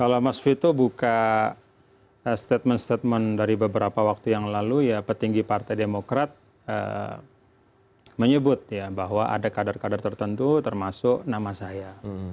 kalau mas vito buka statement statement dari beberapa waktu yang lalu ya petinggi partai demokrat menyebut ya bahwa ada kader kader tertentu termasuk nama saya